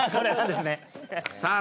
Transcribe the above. さあ